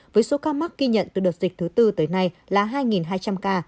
với số ca mắc ghi nhận từ đợt dịch thứ tư tới nay là hai hai trăm linh ca